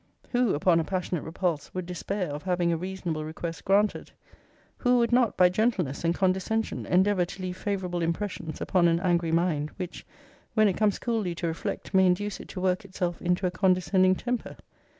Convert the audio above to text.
Who, upon a passionate repulse, would despair of having a reasonable request granted? Who would not, by gentleness and condescension, endeavour to leave favourable impressions upon an angry mind; which, when it comes cooly to reflect, may induce it to work itself into a condescending temper?